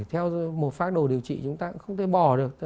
theo một phác đồ điều trị chúng ta cũng không thể bỏ được